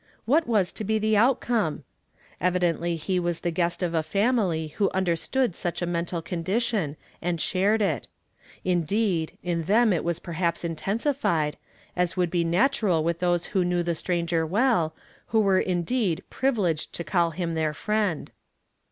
What was to be the outcome ? Evidently he was the guest of a family who undei stood such a mental condi tion, and shared it ; indeed, in them it was per haps intensified, as would be natural with those who knew the stranger well, who were indeed privileged to call him their friend.